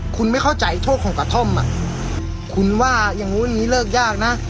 คุณไม่เข้าใจโชคของกระท่อมอ่ะคุณว่าอย่างนู้นอย่างนี้เลิกยากนะ